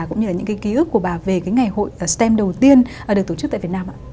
cũng như là những cái ký ức của bà về cái ngày hội stem đầu tiên được tổ chức tại việt nam ạ